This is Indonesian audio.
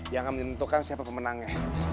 yang akan menentukan siapa pemenangnya